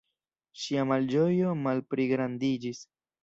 Ŝia malĝojo malpligrandiĝis.